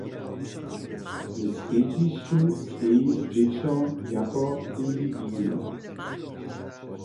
W srjedźišću steji dźěćo jako indiwiduum.